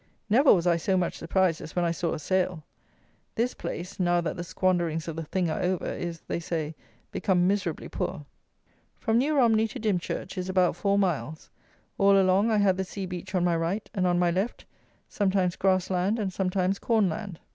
Never was I so much surprised as when I saw a sail. This place, now that the squanderings of the THING are over, is, they say, become miserably poor. From New Romney to Dimchurch is about four miles: all along I had the sea beach on my right, and, on my left, sometimes grass land and sometimes corn land.